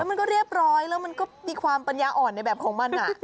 มันก็เรียบร้อยแล้วมันก็มีความปัญญาอ่อนในแบบของมัน